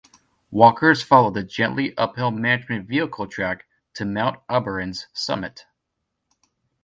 Walkers follow the gently uphill management vehicle track to Mount Oberon's summit.